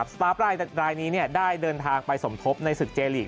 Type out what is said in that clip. สตาร์ฟรายนี้ได้เดินทางไปสมทบในศึกเจลีก